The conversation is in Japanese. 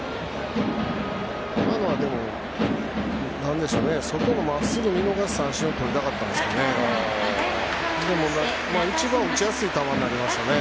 今のは、外のまっすぐで見逃し三振をとりたかったんですかね。